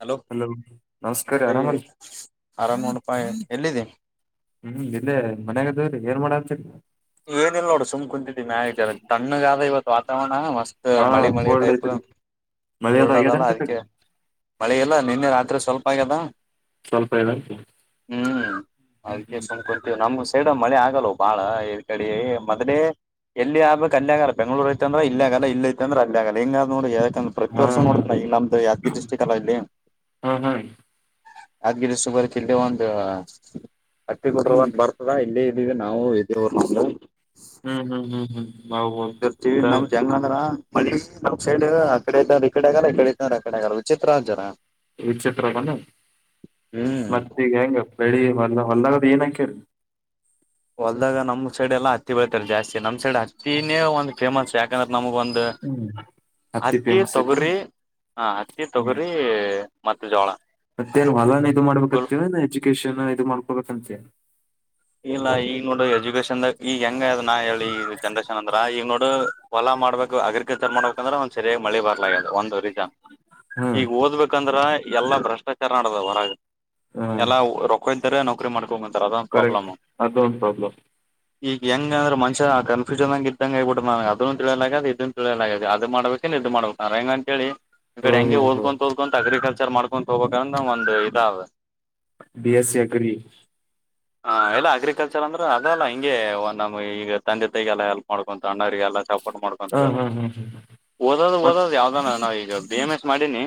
Hello ನಮಸ್ಕಾರ ಬೈ ಆರಾಮಲ್ ಆರಾಮ್ ನೋಡಪ್ಪ ಎಲ್ಲಿದ್ದಿ ಹ್ಮ್ ಇಲ್ಲೇ ಮನ್ಯಾಗದವ್ರರಿ ಏನ್ ಮಾಡತ ಏನಿಲ್ಲ ನೋಡು ಸುಮ್ ಕುಂತಿದ್ದಿನ ತಣ್ಣಗ ಆದ ಇವತ್ತು ವಾತಾವರಣ ಮಸ್ತ್ ಹಾ ಮಳಿ ಮಳ ಕೋಲ್ಡ್ ಟೈಪ್ ಐತ್ರಿ ಮಳಿ ಅದ ಕೋಲ್ಡ್ ಅದಲ್ಲ ಆಗ್ಯದನ್ರಿ ಆ ಅದಕ್ಕೆ ಕಡಿ ಮಳೆಲ್ಲ ನಿನ್ನೆ ರಾತ್ರಿ ಸ್ವಲ್ಪ ಆಗ್ಯದ ಸ್ವಲ್ಪ ಆಗ್ಯದನ್ರಿ ಹ್ಮ್ ಹಾಗತಫೋನ್ ಕೊತೀವಿ ನಮ್ಮೂ ಸೈಡ್ ಮಳೆ ಆಗಲ್ವ ಬಾಳ ಈ್ ಕಡೆ ಮದ್ಲೇ ಎಲ್ಲಿ ಆಗ್ಬೇಕ್ ಅಲ್ಲಿ ಆಗಲ್ಲ ಬೆಂಗಳೂರ ಐತಿ ಅಂದ್ರ ಇಲ್ಲಿ ಆಗಲ್ಲ ಇಲ್ಲಿ ಐತಿ ಅಲ್ಲಿ ಆಗಲ್ಲ ಹೆಂಗ ಅದ ನೋಡ ಪ್ರತಿ ಹಾ ವರ್ಷ ಹಾ ನೋಡತ ಇಲ್ಲ ನಮ್ದು ಯಾದಗಿರಿ ಡಿಸ್ಟಿಕ್ ಅಲ್ಲ ಇಲ್ಲಿ ಹಾ ಹಾ ಯಾದಗಿರಿ ಸುಪಾರಿ ಕಿಲ್ಲಿ ಒಂದು ಹತ್ತಿಗೂಡೂರು ಹ್ಮ್ ಅಂತ ಬರ್ತದ ಇಲ್ಲಿ ಇದೀವಿ ನಾವು ಇದ [unintelligible] ಹ್ಮ್ ಹ್ಮ್ ಹ್ಮ್ ಹ್ಮ್ ನಾವು ಇರ್ತೀವಿ ನಮ್ ಚಂಗ್ ಅಂದ್ರ ಮಳಿಕ್ ನಮ್ ಸೈಡ್ ಆ ಕಡೆ ಇದ್ದರ್ ಈಡೆ ಆಗಲ್ಲ ಈ ಕಡೆ ಇದ್ದರ್ ಆ ಕಡೆ ಆಗಲ್ಲ ವಿಚಿತ್ರ ಜನ ವಿಚಿತ್ರನ ಹ್ಮ್ ಮತ್ತ ಈಗ ಹೆಂಗ ಬೆಳಿ ವಲ್ಲ ವಲ್ಲ ಬಿನಕ್ಕಿರ್ ಹೊಲ್ದಾಗ ನಮ್ ಸೈಡ್ ಎಲ್ಲಾ ಹತ್ತಿ ಬೆಳಿತಾರೆ ಜಾಸ್ತಿ ನಮ್ ಸೈಡ್ ಹತ್ತಿನೇ ಒಂದು ಫೇಮಸ್ ಯಾಕಂದ್ರೆ ನಮಗ ಒಂದು ಹ್ಮ್ ಹತ್ತಿ ಫೇಮಸ್ ಐತೇನ್ ತೊಗರಿ ಹ ಹತ್ತಿ ತೊಗರಿ ಮತ್ತೆ ಜೋಳ ಮತ್ತೆನ ಹೊಲಾನೆ ಇದು ಗುಲ್ ಮಾಡ್ಬೇಕತ್ತೇವ ಎಜುಕೇಶನ್ ಇ ಮಾಡ್ಕಬೇಕಂತಿಯ ಇಲ್ಲ ಈಗ ನೋಡು ಎಜುಕೇಶನ್ದಾಗ ಈಗ ಹೆಂಗ ಅದ್ ನಾ ಹೇಳಿ ಈ ಜನ್ರೇಷನ್ ಅಂದ್ರ ಈಗ ನೋಡು ಹೊಲ ಮಾಡಬೇಕ ಅಗ್ರಿಕಲ್ಚರ್ ಮಾಡಬೇಕಂದ್ರೆ ಒಂದ ಸರಿಗ್ ಮಳಿ ಬರ್ಲೆ ಆಗ್ಯದ ಒಂದು ರೀಜನ್ ಹ್ಮ್ ಈಗ ಓದ್ಬೇಕಂದ್ರ ಎಲ್ಲಾ ಭ್ರಷ್ಟಾಚಾರ ನಡದ ಹೊರಗ ಹಾ ಎಲ್ಲಾ ರೊಕ್ಕ ಇದ್ದರೆ ನೌಕ್ರರಿ ಮಾಡ್ಕೊಂಡಂತಾರ ಕರೆಕ್ಟ್ ಅದೊಂದು ಪ್ರಾಬ್ಲಮ್ ಈಗ ಹೆಂಗಂದ್ರ ಮನುಷ ಆ ಕನ್ಫ್ಯೂಷನ್ ಆಂಗ ಇದ್ದಂಗ ಆಗಬಿಟದ್ ನನ್ ಅದನ್ನು ತಿಳಿಯಲಗದ ಇದನ್ ತಿಳಿಯಲಗದ ಅದು ಮಾಡ್ಬೇಕೆನ್ ಇದು ಮಾಡ್ಬೇಕ ಹೆಂಗ ಅಂತ ಹೇಳಿ ಈ ಕಡೆ ಹ್ಮ್ ಹೆಂಗೆ ಹ್ಮ್ ಹ್ಮ್ ಹೋದಕೊಂತ ಹೋದಕೊಂತ ಅಗ್ರಿಕಲ್ಚರ್ ಮಾಡ್ಕೊಂತ ಹೋಗಬೇಕಂದ್ರ ಒಂದ್ ಇದಾದ ಬಿ ಎಸ್ ಸಿ ಅಗ್ರಿ ಇಲ್ಲ ಅಗ್ರಿಕಲ್ಚರ್ ಅಂದ್ರೆ ಅದ ಅಲ್ಲ ಹಿಂಗೆ ಒ ನಮ್ ಈಗ ತಂದೆ ತಾಯಿಗೆಲ್ಲ ಹೆಲ್ಪ್ ಮಾಡ್ಕೊಂತ ಅಣ್ಣರಿಗೆಲ್ಲ ಮಾಡಕಂತ ಹಾ ಹಾ ಹಾ ಹಾ ಓದದು ಮತ್ತ ಓದದು ಯಾವ್ದಾನ ನಾವ ಈಗ ಬಿ ಎಂ ಎಸ್ ಮಾಡಿನಿ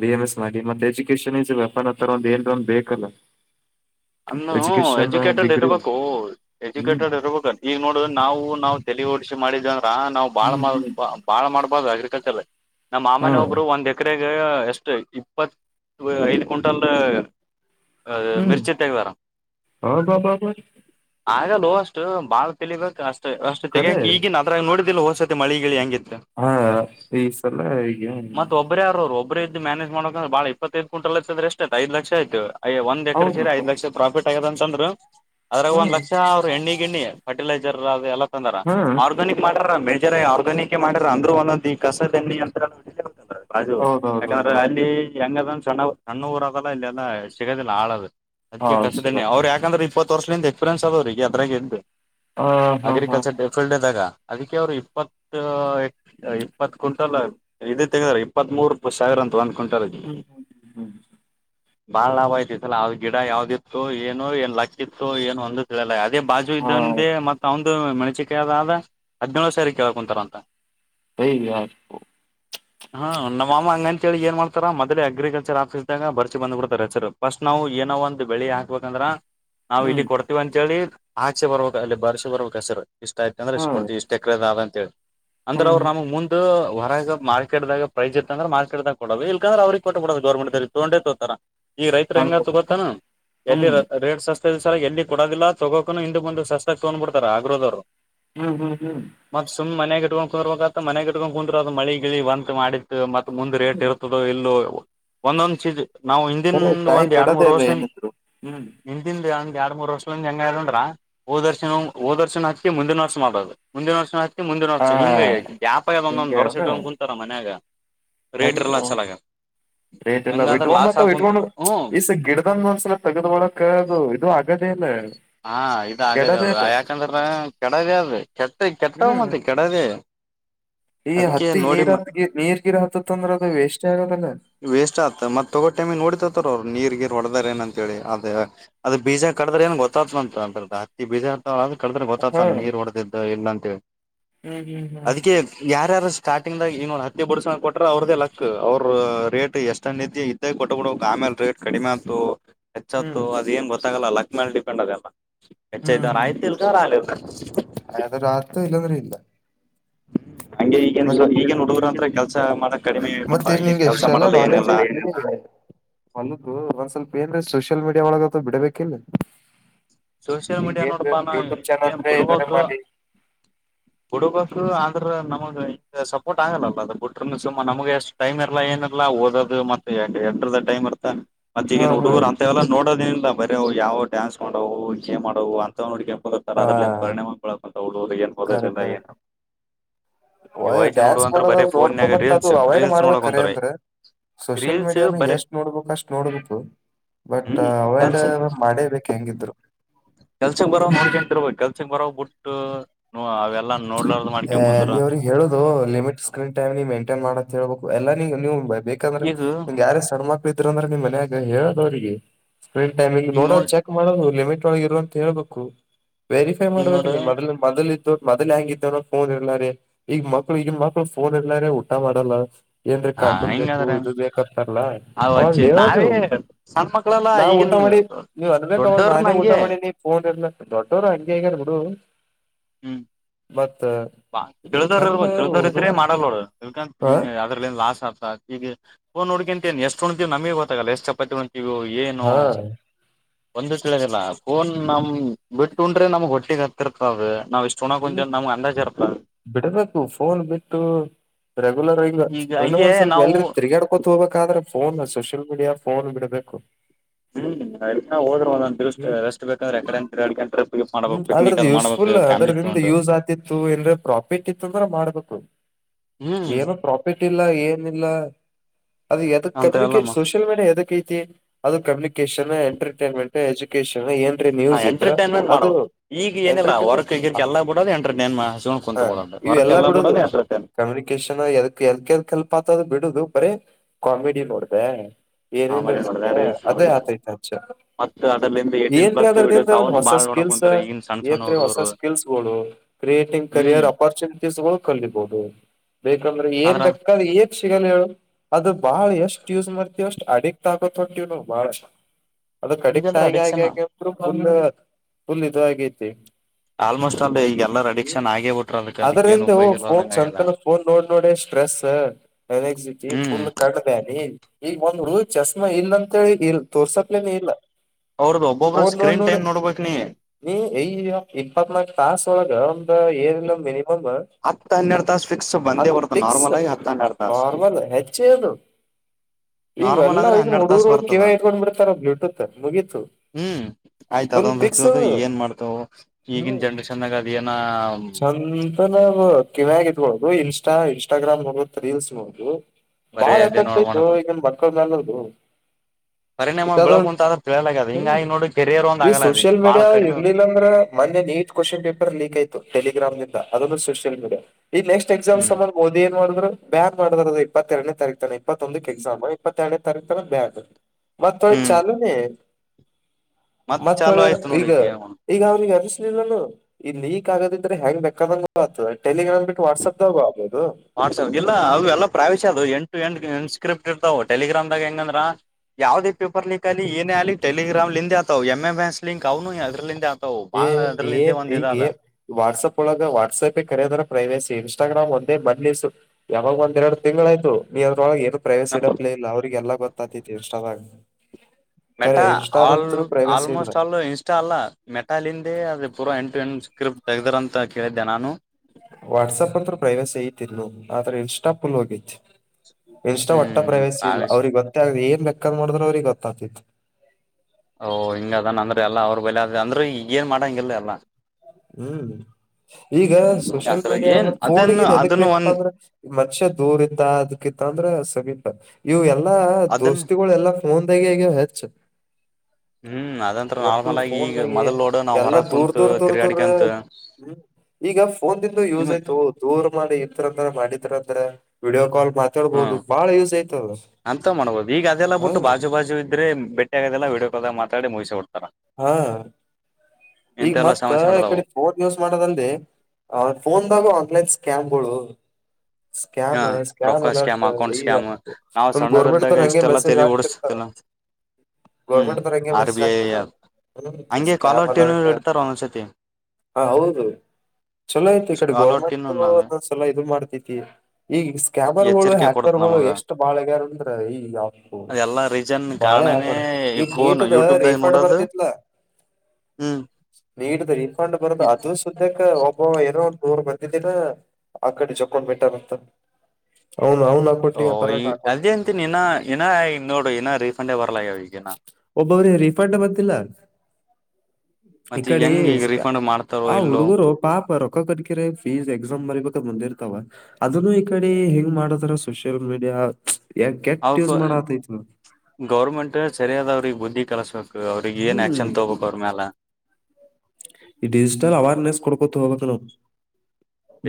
ಬಿ ಎಂ ಎಸ್ ಮಾಡಿ ಮತ್ತೆ ಎಜುಕೆಷನ್ [unintelligible] ತರ ಒಂದ ಏನ್ ಒಂದ್ ಬೇಕಲ್ಲ ಅನ್ನು ಎಜುಕೇಶನ್ ಎಜುಕೇಟೆಡ್ ಡಿಗ್ರಿ ಇರ್ಬೇಕು ಹ್ಮ್ ಎಜುಕೇಟೆಡ್ ಇರ್ಬೇಕು ಈಗ ನೋಡ ನಾವು ನಾವು ತಲಿ ಓಡ್ಸಿ ಮಾಡಿದಂದ್ರ ನಾವು ಬಾಳ್ ಹ್ಮ್ ಮಾಡ್ ಹ್ಮ್ ಬಾಳ್ ಮಾಡ್ಬಾರ್ದ ಅಗ್ರಿಕಲ್ಚರ್ ನಮ್ಮ್ ಹಾ ಮಾಮನ ಒಬ್ರು ಒಂದ್ ಎಕರೆಗ ಎಷ್ಟು ಇಪ್ಪತ್ತು ಐದ್ ಕ್ವಿಂಟಲ್ ಹದ ಮಿರ್ ಹಾ ಬ ಬ ಬ ಬ ಆಗಲ್ಲೋ ಅಷ್ಟು ಬಾಳ ತೆಲಿಬೇಕ ಅಷ್ಟ ಅಷ್ಟು ಕರೆ ತೆಗಿಯಕ್ ಈಗನ್ ಅದ್ರಾಗ ನೋಡಿದಿಲ್ಲ ಹೋಸತಿ ಮಳಿ ಗಳಿ ಹೆಂಗತಿ ಹಾ ಈ ಸಲ ಏನ್ ಒಬ್ಬರೇ ಇದ್ದು ಮ್ಯಾನೇಜ ಮಾಡಕಂದ್ರ ಬಳ ಇಪ್ಪತ್ತೈದು ಕ್ವಿಂಟಲ್ ಎಷ್ಟ ಆಯತ ಐದು ಲಕ್ಷ ಆಯತು ಒಂದ ಎಕರ್ ಹೌದ್ ಸೀರೆ ಮತ್ತ ಐದು ಲಕ್ಷ ಪ್ರಾಫಿಟ್ [unintelligible] ತಂದ್ರ ಅದ್ರಾಗ ಒಂದ್ ಹ್ಮ್ ಲಕ್ಷ ಅವ್ರರು ಎಣ್ಣಿ ಗಿಣ್ಣಿ ಫರ್ಟಿಲೈಜರ್ ಅದು ಎಲ್ಲ ತಂದರ ಹ್ಮ್ ಆರ್ಗಾನಿಕ್ ಮಾಡಾರ ಮೆ [unintelligible] ಆರ್ಗಾನಿಕ್ ಮಾಡಿದ್ರ ಅಂದ್ರು ಒಂದೊಂದು ಈ ಕಸ ದಣ್ಣಿ [unintelligible] ರಾಜು ಯಾಕಂದ್ರೆ ಹೌದೌದೌದೌದು ಅಲ್ಲಿ ಹೆಂಗದ ಸಣ್ಣ ಸಣ್ಣ ಊರದ ಅಲ್ಲಿ ಎಲ್ಲ ಸಿಗೋದಿಲ್ಲ ಆಳದು ಹಾ ಅದಕ್ಕೆ ಸಿಗ ಕಷ್ಟೇನೆ ಅವ್ರು ಯಕಂದ್ರೆ ಇಪ್ಪತ್ತು ವರ್ಷದಿಂದ ಎಕ್ಸ್ಪೀರಿಯನ್ಸ್ ಅದವ್ ಈಗ ಅದ್ರಾಗ ಇದ್ದು ಹ ಹಾ ಹಾ ಅಗ್ರಿಕಲ್ಚರ್ ದೇಫಿಲ್ದೆದಾಗ ಅದಕ್ಕೆ ಅವರು ಇಪ್ಪತ್ತು ಇಪ್ಪತ್ ಕ್ವಿಂಟಲ್ ಇದೇ ತಗದಾರ ಇಪ್ಪತ್ ಮೂರು ಸಾವಿರ ಅಂತ ಒಂದ ಹ್ಮ್ ಬಾಳ ಲಾಭ ಆಯ್ತಿ ಈ ಸಲಾ ಅವ್ ಗಿಡ ಯಾವಾದಿತ್ತೋ ಏನು ಏನ್ ಲಕ್ ಇತ್ತು ಏನು ಒಂದು ತಿಳಿಯಲ್ಲ ಅದೇ ಬಾಜು ಹಾ ಇದ್ದಂದೇ ಮತ್ತ ಅವಂದು ಮೆಣಚಿಕಾಯ ಆದಾದ ಹದಿನೇಳು ಸಾವರಿ ಕೇಳಕ್ ಕುಂತಾರಂತ ಯಾರ್ ಹಾ ಒನ್ನ ಮಾಮ ಅಂಗ ಏ ಮಾಡ್ತ ಮೊದಲ ಅಗ್ರಿಕಲ್ಚರ್ ಆಫೀಸ್ದಾಗ ಬರ್ಸಿಬಂದ್ಬಿಡ್ತಾರಾ ಹೆಸರ ಫಸ್ಟ್ ನಾವು ಏನೋ ಒಂದ್ ಬೆಳಿ ಹಾಕ್ಬೇಕಂದ್ರೆ ನಾವು ಇಲ್ಲಿ ಹ್ಮ್ ಕೊಡ್ತೀವಿ ಅಂತೇಳಿ ಆಚೆ ಬರ್ಬೇಕ ಅಲ್ಲಿ ಬರ್ಸೆ ಬರ್ಬೇಕ ಹೆಸರು ಇಷ್ಟ ಆಯ್ತ್ ಅಂದ್ರೆ ಹಾ ಇಷ್ಟ ಕೊಡ್ತತಿ ಇಷ್ಟ ಎಕ್ರದ ಅಂತ ಹೇಳಿ ಅಂದ್ರೆ ಹ್ಮ್ ಅವರು ಹ್ಮ್ ನಮಗ್ ಮುಂದು ಹೊರಗ ಮಾರ್ಕೆಟದಗ ಪ್ರೈಸ್ ಇತ್ ಅಂದ್ರ ಮಾರ್ಕೆಟ್ದಾಗ ಕೊಡ ಇಲ್ಕಂದ್ರೆ ಅವ್ರಿಗೆ ಕೊಟ್ಟ ಕೊಡದು ಗೋರ್ಮೆಂಟ್ದವ್ರಿಗ ತೊಗೊಂಡೆ ತೋತಾರ ಈ ರೈತರ್ ಹಂಗ ಹೆಂಗತ್ ಗೊತ್ತನು ಹ್ಮ್ ಎಲ್ಲಿ ರೇಟ್ಸ್ ಸ ಎಲ್ಲಿ ಕೊಡೋದಿಲ್ಲ ತಗೋಕು ಹಿಂದಗ್ ಬಂದು ಸಸ್ತ ತಗೊಬಿಡ್ತಾರ ಆಗ್ರೋದವರು ಹ್ಮ್ ಹ್ಮ್ ಹ್ಮ್ ಮನೆ ಗಿಟ್ಕೊಂಡ್ ಕುೂರ್ಬೇಕತ್ತ ಮನೆ ಗಿಟ್ಕೊಂಡ್ ಕುಂದ್ರ ಅದು ಮಳಿ ಗಿಳಿಂತತ್ ಮಾಡಿತ್ತು ಮತ್ತ ಮುಂದ್ ರೇಟ್ ಇರ್ತದು ಇಲ್ಲೂ ಒಂದೊಂದ್ ಚೀಜ್ ನಾವು ಕರೆ ಹಿಂದಿಿಂದ ತಾಯಿ ಒಂದ್ ಎರಡು ಕಡದೇ ಮೂರ್ ಅಲ್ಲ ರೋಷಿಂದ ಏನಿದ್ರು ಹ್ಮ್ ್ ಎರಡ್ ಮೂರ್ ವರ್ಷ ಹೆಂಗ ಅ್ರ ಓದರ್ಶ ಓದರ್ಶನ್ ಹಾಕಿ ಮುಂದಿನ ವರ್ಷ ಮಾಡೋದು ಮುಂದಿನ ವರ್ಷ ಹಕಿ ಹಾ ಮುಂದಿನರ್ಸ ಹಿಂಗ ವ್ಯಾಪಾಯ ಅದ ಒಂದೊಂದ್ ಹಿಂಗೆ ಅವನ ದೋಸಿಟ್ಟ ಕುಂತಾರ ಮನ್ಯಾಗ ರೇಟರ್ಲ್ಲ ಹಂಗ ಚಲಗ ರೇಟ್ ಎಲ್ಲ ಇಟ್ಕೊಂಡ ಮತ್ತ ಇಟ್ಕೊಂಡು ಹ್ಮ ಈಸ ಗಿಡದಂದ ಒಂದ್ಸಲ ತಗದ್ ಬಳಕ ಅದು ಇದು ಆಗದೇ ಅಲ್ಲ ಹಾ ಇ ಆಗದ ಅದು ಯಾಕಂದ್ರೆ ಕೆಡದ ಅದ ಕೆಟ್ಟ ಕೆಟ್ಟವ ಹ್ಮ್ ಮತ್ತ ಕೆಡದ ಈ ಹತ್ತಿ ನೀರ ಹ ನೀರ್ಗಿರ ಹತ್ತ ತ ವೇಸ್ಟ್ ಆಗ್ತ ಮತ್ ತಗೋ ಟೈಮಿ ನೋಡಿಿತತಾರ ಅವರು ನೀರ್ ಹೊಡದಾರ ಏನ ಅಂತ ಹೇಳಿ ಅದ ಅದು ಬೀಜ ಕಡದಾರ ಏನ್ ಗೊತ್ತಾ್ತ ಅಂತ ಅಂತ್ರ ಹತ್ತಿ ಬಜಾತ ಕಳದ್ರೆ ಹಾ ಗೊತ್ತಾ್ತಾನ ಹ್ಮ್ ನೀರ್ ಹೊಡದಿದ್ದ ಇಲ್ಲ ಅಂತೇಳಿ ಹ್ಮ್ ಹ್ಮ್ ಅದಕ್ಕೆ ಯಾರ್ಯಾರ ಸ್ಟಾರ್ಟಿಂಗ್ ದಾಗ ಹತ್ತಿ ಬಡ್ಸಣ ಕೊಟ್ರೆ ಅವ್ರದೇ ಲಕ್ ಅವ್ರರು ರೇಟ್ ಎಷ್ಟಿದ್ದ ಇತ್ತೇ ಕೊಬಡ ಆಮೇ ರೇಟ್ ಕಡಿಮೆ ಆತು ಹೆಚ್ಚ ಹ್ಮ್ ಆತು ಅದ ಏನ್ ಗೊತ್ತಾಗಲ್ಲ ಲಕ್ ಮೇಾಲ ಡಿಪೆಂಡ್ ಆಗಲ್ಲ ಹ್ಮ್ ಹೆಚ್ಚತಾನ ಹ್ಮ್ ಆಯ್ತಿಲ್ಲ ಕ ರ ಅದ್ರ ಹಂಗೆ ಈಗೇನ್ ಮ ಈಗೇನ್ ಹುಡುಗರ ಹತ್ರ ಕೆಲ್ಸ ಮಾಡಕ್ ಕಡಿಮೆ ಮತ್ತೆ ಕೊಟ್ರ ಇ ಈಗೇನ್ ನಿಂಗೆ ಕೆಲ್ಸ ಎಷ್ಟ್ರ ಅಲ್ಲ ಮಾಡಲ್ಲ ನಾಲೆಜ್ ಏನಿಲ್ಲ ಅಲ್ದು ಒಂದ್ ಸ್ವಲ್ಪ ಏನ್ೀ ಸೋಷಿಯಲ್ ಮೀಡಿಯಾ ಒಳಗಥವಾ ಬಿಡಬೇಕಿಿಲ್ಲ ಸೋಷಿಯಲ್ ಮೀಡಿಯಾ ನೋಡಪಾನ ಏನ್ ಇದನ್ನೇ ಬಿಡ್ಬೇಕು ಮಾಡಿ ಬಿುಡ್ಬೇಕ ನಮಗೆ ಸಪೋರ್ಟ್ ಆಗಲ್ಲ ಅದು ಬಿುಟ್ರ ಸುಮಾ ನಮಗೆ ಎಷ್ಟು ಟೈಮ್ ಇರ್ಾ ಏನ ಇಲ್ಲಾ ಓದೋದು ಮತ್ತೆ ಎಡದ ಟಮ್ ಅರ್ತಾನ ಮತ್ತ ಹಾ ಈಗನ್ ಹಾ ಹುಡುಗರ್ ಅಂತ ಎಲ್ಲಾ ನೋಡೋದೇನಿಲ್ಲ ಬರವು ಯಾವ ಡ್ಯಾನ್ಸ್ ಮಾಡೋ ಏ ಮಾಡೋವು ಅಂತ ನೋಡ್ಗ ಹೋಗತ್ತ ಹಾ ಅದ್ರ ಏನ್ ಪರಿಣಾಮ ಕೊಕ ಅಂತ ಹಡ್ ಹ ಏನ್ ಹೋಗದೋದಿಲ್ಲ ಏನ ಒಯ ಡ್ಯಾನ್ಸ್ ಮಾಡದಂದ ನೋಡ್ಬ ಫೋನ್ಯಾಗ ಬಟ್ ಅದು ರೀಲ್ಸ್ ಅವಾಯ್ಡ್ ರೀಲ್ಸ್ ಮಾಡ್ಬೇಕಕ್ಖರಿ ನೋಡಕಂತಾರ ಅಂದ್ರ ಸೋಷಿಯಲ್ ರೀಲ್ಸ್ ಮೀಡಿಯಾನ ಬರೇ ಎಷ್ಟ್ ನೋಡ್ಬೇಕು ಅಷ್ಟ್ ನೋಡ್ಬೇಕು ಬಟ್ ಹ್ಮ್ ಅವಾಯ್ಡ್ ಕೆಲ್ಸ ಮಾಡೇಬೇಕ ಹೆಂಗಿದ್ರು ಕೆಲ್ಸಕ್ ಬರೋ ನೋಡ್ಕಂತರ್ಬ ಕೆಲ್ಸಕ್ ಬರೋ ಬಿಟ್ಟು ಅವೆಲ್ಲಾ ನೋಡ್ಲಾರ್ದ ಅ ಮಾಡ್ಕೊಂಡ್ ಕುಂತರ ನೀವ ಅವ್ರಗ್ ಹೇಳುದು ಲಿಮಿಟ್ ಸ್ಕ್ರೀನ್ ಟೈಮ್ ನೀ ಮೈಂಟೈನ್ ಮಾಡಂತ ಹೇಳ್ಬೇಕು ಎಲ್ಲಾ ನೀ ನೀವು ಬೇಕಂದ್ರೆ ಈಗ ನಿಮ್ಗೆ ಯಾರ ಸಣ್ಣ್ಮಕ್ಳಿದರು ಅಂದ್ರೆ ನಿಮ್ ಮನ್ಯಾಗ ಹೇಳದ ಅವಿಗೆ ಟೈಮಿಂಗ್ ಈಗ ನೋಡೋದು ನೋಡ್ ಚೆಕ್ ಮಾಡೋದು ಲಿಮಿಟ್ ಒಳಗೆ ಇರುವಂತ ಹೇಳ್ಬೇಕು ವೆರಿಫೈ ಈಗ ಬೇಕು ನೋಡ ನೀನ್ ಮೊದ್ ಮೊದ್ ಇದ್ದು ಮೊದಲ್ ಹೆಂಗ ಇದ್ದ ಫೋನ್ ಎಲ್ಲಾರೆ ಈಗ ಮಕ್ಳು ಈಗ ಮಕ್ಳು ಫೋನ್ ಎಲ್ಲಾರೆ ಊಟ ಮಾಡಲ್ಲ ಏನ್ ಹ ಕರ್ಕನ್ ಬೇಕು ಹಿಂಗಂದ್ರ ಇದು ಬೇಕತಾರಲ್ಲ ಅವ ಅವಾಗ ಹಚ್ಚಿ ಹೇಳದು ನಾವೇ ಸಣ್ಣ ಮಕ್ಳೆಲ್ಲಾ ನಾ ಊಟ ಈಗಿನ್ ಮಾಡಿ ನೀವ್ ಅದ ತಗ ದೊಡ್ಡವ್ರನ ನಾನೇ ಊಟ ಹಂಗೆ ಮಾಡಿ ನೀ ಪೊನ್ ಇರ್ಲ ದೊಡ್ಡೋರು ಹಂಗಗೆ ಹೇಗಾರ ಬಿುಡು ಹ್ಮ್ ಬಾ ಇ ಕೆಳಿದರ್ ಇಲ್ ಚಂದ ಕೆಳದೋರ್ ಹದು ಇದ್ರೆ ಮಾಡಲ್ ನೋಡ್ ಇಕ ಹ ಹಂಗ ಅದ್ರಲ್ಲಿನ್ ಲಾಸ್ ಆಗ್ತ ಈಗ ಫೋನ್ ಹುಡ್ಕಿಂತೇನ್ ಎಷ್ಟು ಉಣ್ಂತತಿವಿ ನಮಿಗ್ ಗೊತ್ತಾಗಲ್ಲ ಎಷ್ಟ್ ಚಪಾತಿ ಉಣ್ತೀವಿ ಏನು ಹಾ ಒಂದ ತಿಳಗಲ್ಲ ಫೋನ್ ನಮ ಬಿಟ್ಟುಂಡ್ರೆ ನಮಗ್ ಹೊಟ್ಟಿಗೆ ಹತ್ತಿರ್ತ ಅದು ನಾವವುಷ್ಟುಣಕಂತ ಹ್ಮ್ ನಮ ಅಂದಾಜರ ಬಿಡ್ಬೇಕು ಫೋನ್ ಬಿಟ್ಟು ರೆಗ್ಯುಲರ್ ಆಗಿ ಈಗ ಇನ್ನ ಹಂಗೆ ಒಂದ್ ಸ್ವಲ್ಪ ನಾವು ಎಲ್ರ ತಿರುಗಾಡ್ಕೋತ್ ಹೋಗ್ಬೇಕಾದ್ರೆ ಫೋನ್ ಸೋಷಿಯಲ್ ಮೀಡಿಯಾ ಫೋನ್ ಬಿಡ್ಬೇಕು ಹ್ಮ್ ಎ ಹೋದ್ರೆ ಒಂದ ಹ್ಮ್ ರೆಸ್ ಬೇಕಂದ್ರೆಡೆ ಗಟ ಮಾಡ್ಬೇಕು ಪಕ್ಕ್ ಅದ್ಬೇಕು ಅದ ಯೂಸ್ ಆಗ್ತಿತ್ತು ಏಂದ್ರೆ ಪ್ರಾಫಿಟ್ ಇತ್ತು ಅಂದ್ರೆ ಮಾಡ್ಬೇಕು ಹ್ಮ್ ಏನ ಪ್ರಾಫಿಟ್ ಏನ ಇಲ್ಲ ಅದುದ ಕಮ್ಯುನಿಕ ಅಂತವೆಲ್ಲಮ್ಮ ಸೋಷಿಯಲ್ ಮೀಡಿಯಾ ಎದಕ್ಕೆ ಅದು ಕಮ್ಯುನಿಕೇಶನ್ ಎಂಟರ್ಟೈನ್ಮೆಂಟ್ ಎಜುಕೇಷನ್ ಏ ಹಾ ನ್ಯೂಸ್ ಇದ್ರ ಎಂಟರ್ಟೈನ್ಮೆಂಟ್ ಅದು ಮಾಡ್ಬೇಕು ಈಗ ಎ ಏನಿಲ್ಲ ವರ್ಕ್ ಗಿರ್ಕ್ ಎಲ್ಲ ಬಿಡೋದು ಎಂಟರ್ಟೈನ್ ಹಚ್ಕೊಂಡ್ ಕುಂತ್ ಹಾ ಬಿಡೋದು ಇವೆ ವರ್ಕ್ ಎಲ್ಲಾ ಎಲ್ಲ ಬಿಡುದು ಬಿಡೋದು ಎಂಟರ್ಟೈನ್ ಕಮ್ಯುನಿಕೇಶನ್ ಎ ಎ ಸ್ವಲ್ಪಾತದ ಬಿಡುದು ಬರೀ ಕಾಮಿಡಿ ನೋಡಿದೆ ಏನನ್ ಕಾಮಿಡಿ ನೋಡಿದೆ ನೋಡ್ದ ರೀಲ್ಸ್ ಅದೇ ನೋಡಿದೆ ಆತೈತ ಅಚ ಮತ್ತ ಅದ್ರಲಿಂದ ಏಟೀನ್ ಏನ್ರಿ ಪ್ಲಸ್ ವಿಡಿಯೋಸ್ ಅದ್ರದ್ದಲ್ ಒಂದ ಅವನು ಹೊಸ ಬಾಳ್ ನೋಡಕ್ ಸ್ಕಿಲ್ಸ್ ಕುಂತಾರೆ ಈಗಿನ ಸಣ್ಣ ಸಣ್ಣ ಏತ್ರಿ ಹೊಸ ಹುಡುಗರು ಸ್ಕಿಲ್. ಕ್ರಿಯೇಟಂಗ್ ಹ್ಮ್ ಕರಿಯರ್ ಅಪಾರ್ಚುನಿಟೀಸ್ಗಳು ಕಲಿಬಹುದು. ಬೇಕಂದ್ರೆ ಏನ್ ಆದ್ರ ಬೇಕತಾದ ಏಕ್ ಸಿಗಲ್ಲ ಹೇಳು. ಅದ ಬಾಳ ಎಷ್ಟ್ ಯೂಸ್ ಮಾಡ್ತೀವ ಅಷ್ಟ್ ಅಡಿಕ್ಟ್ ಆಗತ್ ಹೊಟೀವ್ ನವು ಬಾಳ. ಅದು ಅಡಿಕ್ಟ್ ಈಗಂದ್ರ ಆಗೆ ಅಡಿಕ್ಷನ್ ಆಗೆ ಫುಲ್ ಫುಲ್ ಇ ಆಗೈತಿ. ಆಲ್ಮೋಸ್ಟ್ ಅಲ್ ಈಗ ಎಲ್ಲರ ಹ್ಮ ಅಡಿಕ್ಷನ್ ಆಗೇ ಬಿಟ್ರ ಅದಕ್ ಅದಕ್ ಏನ್ ಅದರಿಂದ ಓ ಉಪಯೋಗ ಫೋನ್ ಇಲ್ದಂಗ ಆಗ್ಯದ ಚಂತಲ್ಲ ಫೋನ್ ನೋಡ್ ನೋಡ ಸ್ಟ್ರೆಸ್. [unintelligible] ಹ್ಮ್ ಫುಲ್ ಕಟ್ಟ್ ಬ್ಯಾನಿ ಈಗ್ ಒಂದ್ರು ಚಸ್ಮಾ ಇಲ್ಲ ಅಂತೇಳಿ ಇಲ್ ತೋರ್ಸಕ್ಲೇನ ಇಲ್ಲ. ಅವ್ರದ್ದು ಹ ಒಬ್ಬೊಬ್ರು ನೋಡ್ ಸ್ಕ್ರೀನ್ ನೋಡ್ ಟೈಮ್ ನೋಡ್ಬೇಕ್ ನೀ ಹೇ [unintelligible] [unintelligible] ತಾಸ್ ಒಂದು ಏನಿಲ್ಲ ಅಂದ್ರು ಒನ್ ಹತ್ತು ಹನ್ನೆರಡು ಹತ್ ತಾಸ ಫಿಕ್ಸ್ ಬಂದೇ ಹತ್ ಬರ್ತದ ಪಿಕ್ಸ್ ನಾರ್ಮಲ್ ಆಗಿ ಹತ್ತು ಹನ್ನೆರಡು ತಾಸ ನಾರ್ಮಲ್ ಹೆಚ್ಚ ಏದು. ಈಗ ನಾರ್ಮಲ್ ಎಲ್ಲ ಅಂದ್ರೆ ಈಗ ಐಕ್ಳು ಹನ್ನೆರಡು ತಾಸ ಹುಡುಗರು ಹೋಗ ಕಿವ ಬರ್ತದ ಇತ್ಕೊಂಡ್ ಬಿಡ್ತಾರಾ ಬ್ಲಯೂಟೂತ್ ಮುಗೀತು. ಹ್ಮ್ ಆಯ್ತು ಫುಲ್ ಅದೊಂದು ಪಿಕ್ಸ್ ಹಚ್ಚದು ಏನ್ ಮಾಡ್ತಾವ. ಹ್ಮ್ [unintelligible] ಕಿವಿಯಾಗ್ ಇಟ್ಕೊಳ್ಳೋದ್ ಇನ್ಸ್ಟಾ. ಇನ್ಸ್ಟಾಗ್ರಾಮ್ ಮುಗೀತು ರೀಲ್ಸ್ ನೋಡು. ಬರೇ ಬಾಳ ಅದೇ ಎಫೆಕ್ಟ್ ನೋಡ್ ಆಯ್ತು ಮಾಡಕ ಈಗನ್ ಮಕ್ಕಳ ಮೇಲದು. ಪರಿಣಾಮ [unintelligible] ಬೆಳಕುಂತ ಆದ್ರ ತಿಳಲಾಗ್ಯದ ಹಿಂಗಾಗಿ ನೋಡಿ ಕೆರಿಯರ್ ಒಂದ್ ಈ ಆಗಲ್ಲ ಅದ ಸೋಷಿಯಲ್ ಬಾಳ ಮೀಡಿಯಾ ಕಡಿಮೆ ಇರ್ಲಿಲ್ಲ ಅಂದ್ರೆ. ಮೊನ್ನೆ ನೀಟ್ ಕೋಶನ್ ಪೇಪರ್ ಲೀಕ್ ಆಯತು ಟೆಲಿಗ್ರಾಂನಿಂದ ಅದು ಸೋಷಿಯಲ್ ಮೀಡಿಯಾ. ಈ ನೆಕ್ಸ್ಟ್ ಎಕ್ಸಾಮ್ ಹ್ಮ್ ಸಂಬದ್ ಮೋದಿ ಏನ್ ಮಾಡಿದ್ರ್ ಬ್ಯಾನ್ ಮಾಡ್ರು ಅದು ಇಪ್ಪತ್ತೆರನೇ ತಾರೀಕ ತನ. ಇಪ್ಪತ್ತೊಂದಕ್ ಎಕ್ಸಾಮ್ ಇಪ್ಪತ್ತ ಎರಡನೇ ತಾರೀಕ ತನ ಬ್ಯನ್ ಮತ್ತ ಹ್ಮ್ ಚಾಲುನೆ. ಮತ್ ಚಾಲೂ ಮತ್ತಳೆ ಆಯ್ತು ನೋಡಿ ಈಗ ಈಗ ಅವನಿಗೆ ಇಲ್ಲನು ಇಲ್ಲಿ ಲೀಕ್ ಆಗೋದಿದ್ರೆ ಹೆಂಗ್ ಬೇಕಾದಂಗ ಆಗ್ತದ. ಮಾಡಸ ಇಲ್ಲ ಅ ಎಲ್ಲ ಪ್ರೈವಸ್ಯಾದೊ ಎಂಟು ಎಂ ಸ್ಕ್ರಿ್ಟ್ ಇರ್ತೆ ಟೆಲಿಗ್ರಾಮ್ ನಾಗ್ ಹೆಂಗಂದ್ರ. ಯಾವ್ದದೇ ಪೇಪರ್ ಲಿಕ್ ಅಲಿ ಏನೇ ಅಲಿ ಟೆಲಿಗ್ರಾಮ್ ಲಂದ ಆತವಾವ ಎಮ್ ಎಮ್ ಎಸ್ ಲಿಂಕ್ ಅವ್ನು ಅದ್ರಲ್ಲಿಂದ ಆಗ್ತ. ಏ ಏ ಈಗ ವಾಟ್ಸಪ್ ಒಳಗ ವಾಟ್ಸಪ್ ಕರೆಯದಾರ ಪ್ರೈವೇಸಿ. ಇನ್ಸ್ಟಾಗ್ರಾಮ್ ಒಂದೇ ಮಲಸು ಯಾವಾಗ ಒಂದ್ ಎರಡು ತಿಂಗ್ ಆಯ್ತು ನೀ ಅದ್ರೊಳಗೆ ಏನು ಪ್ರೈವೇಸಿ ಅದ ಇಡಪ್ಲ ಇಲ್ಲ ಅವ್ರಿಗೆಲ್ಲ ಗೊತ್ತತಿ ಇನ್ಸ್ಟಾದಾಗ. ಮೆಟ ಖರೆ ಆಲ್ ಇನ್ಸ್ಟಾದಂತ್ರು ಪ್ರೈವೇಸಿ ಇಲ್ಲ ಆಲ್ಮೋಸ್ಟ್ ಆಲ್ ಇನ್ಸ್ಟಾ ಅಲ್ಲ ಮೆ ಟಾಲಿಂದೇ ಅ್ರೆ ಪೂರಾ ಎಂಟು ಎಂಟು ಸ್ಕ್ರಿಪ್ಟ್ ತಗ್ದಾರ ಅಂತ ಕೇಳಿದ್ದೆ ನಾನು. ವಾಟ್ಸಪ್ ಅಂದ ಪ್ರೈವಸಿ ಐತಿ ಆ್ರ ಇನ್ಸ್ಟಾಫುಲ್ ಹೋಗಿತಿ. ಎಷ್ಟ ಒಟ್ಟ ಹ್ಮ್ ಪ್ರೈವಸಿ ಇಲ್ಲ ಭಾವಿಸಿ ಅವ್ರಗ್ ಗೊತ್ತ ಆಗ ಏನ್ ಬಕ್ಕಾದ್ ಮಾಡಿದ್ರ ಅವ್ರಿಗೆ ಗೊತ್ತಾಗತಿತ್ತು. ಓ ಹಿಂಗ ಅದನ್ ಅಂದ್ರೆ ಎಲ್ಲ ಅವ್ರ ಬಳ ಆದ ಅಂದ್ರೆ ಈಗ ಏನ್ ಮಾಡಾ ಹಂಗಿಲ್ಲ ನಾ. ಹ್ಮ್ ಈಗ ಸೋಷಿಯಲ್ ಅಂದ್ರೆ ಮೀಡಿಯಾ ಮ ಏನ್ ಅದನ್ನು ಫೋನ್ಗಏನ್ ಅದನ್ನು ಎದಗ್ಬೇಕೇಕಪ್ಪಾ ಒಂದ್ ಅಂದ್ರೆ ಮನ್ಷ್ಯ ದೂರ್ ಇತ್ತ ಅದಕಿ ಅಂತ ಅಂದ್ರೆ ಸಮೀಪ. ಇವು ಎಲ್ಲಾ ಅದನ್ ದೋಸ್ತಿಗಳು ಎಲ್ಲಾ ಫೋನ್ದಾಗಗ ಹೆಚ್ಚ. ಹ್ಮ್ ಅದಂತ್ರ ಒಟ್ಟು ನಾರ್ಮಲ್ ಆಗಿ ಈಗ ಫೋನ್ದಾಗಿ ಮೊದಲ್ ನೋಡು ನಾವ್ ಹೊರ ಎಲ್ಲಾ ದೂರ್ ಕುಂತು ದೂರ್ ದೂರ್ ದೂರ. ತಿರ್ಗಾಡ್ಕಂತ ಹ್ಮ್ ಈಗ ಫೋನ್ ದಿಂದ ಯೂಸ್ ಇವ ಆಯ್ತು ದೂರ ಮಾಡಿ ಇರ್ತರಂದ್ರ ಮಾಡಿದ್ರ ಅಂದ್ರ. ವಿಡಿಯೋ ಕಾಲ್ ಮಾತಾಡಬಹುದು ಹ್ಮ್ ಬಹಳ ಯೂಸ್ ಆತ್ ಅಂತ ಮಾಡ್ಬಹದು ಈಗ ಅದೆಲ್ಲ ಬಿಟ್ಟು ಬಾಜು ಬಾಜು ಇದ್ರೆ ಬೆಟ್ಟೆ ಆಗದೆಲ್ಲ ವಿಡಿಯೋ ಕಾಲ್ದಾಗ ಮಾತ್ ತಡೆ ಮುಗಿಸಿ ಬಿಡ್ತಾರಾ. ಹಾ ಈಗ ಇಂತೆಲ್ಲಾ ಮತ್ತ ಸಮಸ್ಯೆ ಈ ನಡದಾವ ಕಡೆ ಫೋನ್ ಯೂಸ್ ಮಾಡದಂದೆ. ಅವ ಫೋನ್ದಾಗ ಆನ್ಲೈನ್ ಸ್ಕ್ಯಾಮ್ಗಳು. ಹ ಸ್ಕ್ಯಾಮ್ ಸ್ಕ್ಯಾಮ್ ರೊಕ್ಕ ಅಲರ್ಟ್ಯ ಅಕೌಂಟ್ ಸ್ಕ್ಯಾಮ್ ನಾವ್ ನಮ ಗೋರ್ಮೆಂಟ್ ಸಣ್ಣರದ್ದಾಗ ಹಂಗೆ ಇಷ್ಟೆಲ್ಲಾ ಮೆಸೇಜ್ ತಲಿ ಹಾಕ್ತಿರ್ತಾರ. ಓಡಿಸ್ತಿಲ್ಲ ಹ್ಮ್ ಗೌರ್ಮೆಂಟ್ ದರಂಗೆ ಆರ್ ಬಸ್ ಬಿ ಐ ಆಗ್ತಿರ ಹ್ಮ ಹಂಗೆ ಕ್ಯಾಮ್ ಕಾಲರ್ಟಿನ ಅಲರ್ಟ್. ಇಡ್ತಾರ ಒಂದ್ಸತಿ ಹ ಹೌದು ಚಲೋ ಆಯತು ಈ ಕಡೆ ಗೌರ್ಮೆಂಟ್ ಕಾಲರ್ಟಿನ ನಾವ ಒಂದೊ್ ಚಲೋ ಆ ಮಾಡ್ತತಿ ಈಗ ಸ್ಕ್ಯಾಮರ್ ಗಳು ಎಚ್ಚರಿಕೆ ಕೊಡತ್ ಹ್ಯಾಕರ್ಗಳು ನಮಗ ಎಷ್ಟು ಬಾಳಗ್ಯಾರ ಅಂದ್ರ ಈ ಯಾಕು ಅದೆಲ್ಲಾ ರೀಜನ್ ಬಾಳೆ ಕಾರಣನೇ ಹಾಕೊಡ ಈ ಫೋನ್ ನೀಟ್ದ ಯೂಟ್ಯೂಬ್ದಾಗ ರೀಫಂಡ್ ನೋಡೋದು ಬರ್ತಿತ್ಲ ಹ್ಮ್ ನೀ್ದ ರರಿಫಂಡ್ ಬರುದು ಅದು ಸುದಕ್ಕೆ ಒಬ್ಬ ಏನೋ ನೂರ್ ಬಂದಿದ್ದರ ಆ ಕಡೆ ಜೊಕ್ಕೊಂಡ್ ಬಿಟ್ಟಾರಂತ ಅವ್ನು ಅವ್ನ್ ಓ ಹಾಕೊಟ್ಟಿ ಬರಂಗ ಹಾಕೊಂಡ್ ಅದೇ ಅಂತನ್ ಇ ನೋಡು ಇನ ರೀಫಂಡೇ ಬರ ಒಬ್ಬೊವರಿಗೆಿಗೆ ರೀಫಂಡ್ ಬತಿಿಲ್ಲ ಮತ್ತ ಈಗ ಇಕಡೆ ಹೆಂಗ್ ಈಗ ರೀಫಂಡ್ ಮಾಡ್ತಾರೋ ಆ ಇಲ್ಲೋ ಹುಡುಗರು ಪಾಪ ರೊಕ್ಕ ಕಡಕರ ಫೀಸ್ ಎಕ್ಸಾಮ್ ಮರಿಬೇಕಾದ ಬಂದಿರ್ತಾವ ಅದನ್ನು ಈ ಕಡೆ ಹೆಂಗ್ ಮಾಡದಾರ ಸೋಷಿಯಲ್ ಮೀಡಿಯಾ ಯಾ ಅವಕ್ ಕೆಟ್ಟ ೂಸ್ ಮಾಡ ಆತೈತ್ ಗೌರ್ಮೆಂಟ್ ಸರಿಯಾದ ಅವ್ರಿಗೆ ಬುದ್ಧಿ ಕಿಸಸ್ಬೇಕಕ್ ಅವ್ರಿಗೆಗ ಏನ್ ಹ್ಮ್ ಆಕ್ಷನ್ ತಗಬೇಕು ಅವ್ರ ಮ್ಯಾಲ ಈ ಡಿಜಿಟಲ್ ಅವೇರ್ನೆಸ್ ಕೊಡ್ಕೊತ ಹೋಗಕ್ ನಾವು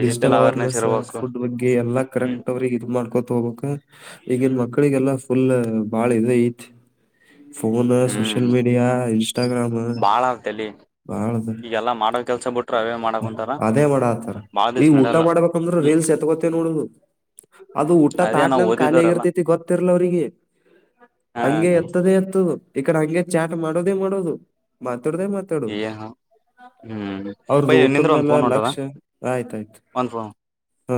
ಡಿಜಿಟಲ್ ಅವೇರ್ನೆಸ್ ಫುಡ್ ಬಗ್ಗೆ ಎಲ್ಲಾ ಹ್ಮ್ ಕರೆಕ್ಟ್ ಅವ್ರಿಗೆ ಇದ ಮಾಡ್ಕೊತ ಹೋಗ್ಬೇಕಕ್ ಈಗನ್ ಮಕ್ಳ ಮಕ್ಕಳಿಗೆಲ್ಲಾ ಫುಲ್ ಬಾಳ ಇದೆ ಐತ್ ಫೋನು ಹ್ಮ್ ಸೋಷಿಯಲ್ ಮೀಡಿಯಾ ಇನ್ಸ್ಟಾಗ್ರಾಮ್ ಬಾಳ ಆತ ಅಲ್ಲಿ ಬಾಳದ ಈಗೆಲ್ಲಾ ಮಾಡ ಕೆಲ್ಸ ಬಿಟ್ರ ಅವೇ ಮಾಡಕ್ೊಂತಾರ ಅದೇ ಬಾಳ ದಿವಸ ನಡಲ್ಲ ಲ್ ಎತ್ಕೊತ್ತೇ ನೋಡುದು ಅದು ಊಟ ಅದೇ ನಾವ್ ತಾಟಲಂದ ಖಾಲಿ ಓದಿದವರೆಲ್ಲ ಆಗಿರ್ತೈತಿ ಗೊತ್ತಿರ್ಲ ಅವ್ರಿಗೆ ಹ ಹಂಗೆ ಎತ್ತದೆೇ ಎತ್ತದು ಈ ಕಡೆ ಹಂಗೆ ಚಾಟ ಮಾಡೋದೇ ಮಾಡೋದು ಮಾತಾಡೋದೇ ಮಾತಾಡೋದು ಹ್ಮ್ ಅವ್ರ್ದ ಬೈ ನಿಂದ್ರ ಒಂದ್ ಊಟದ್ಮೇಲೆ ಫೋನ್ ಹೊಂಟದ ಲಕ್ಷ ಆಯ್ತಾಯ್ತು ಒಂದ್ ಫೋನ್ ಹಾ